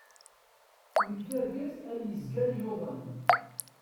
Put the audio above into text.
Nekk d argaz ay yezgan yuḍen.